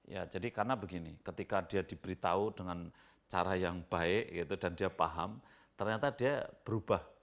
ya jadi karena begini ketika dia diberitahu dengan cara yang baik gitu dan dia paham ternyata dia berubah